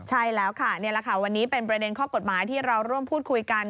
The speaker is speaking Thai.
ใช่แล้วค่ะนี่แหละค่ะวันนี้เป็นประเด็นข้อกฎหมายที่เราร่วมพูดคุยกัน